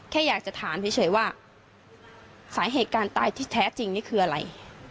แค่อยากจะถามเฉยว่าสาเหตุการณ์ตายที่แท้จริงนี่คืออะไร